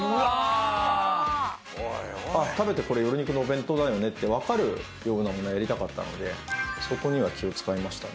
食べてこれ「よろにく」のお弁当だよねって分かるものやりたかったのでそこには気を使いましたね。